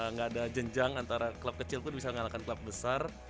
nggak ada jenjang antara klub kecil pun bisa mengalahkan klub besar